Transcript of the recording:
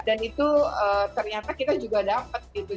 dan itu ternyata kita juga dapat gitu